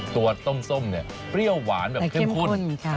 ตัวส้มเนี่ยเปรี้ยวหวานแบบเข้มข้น